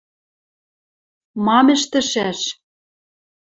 МАМ ӸШТӸШӒШ?